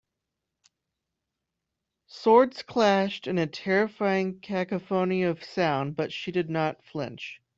Swords clashed in a terrifying cacophony of sound but she did not flinch.